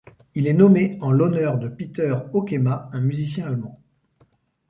Il est nommé en l'honneur de Peter Hokema, un musicien allemand.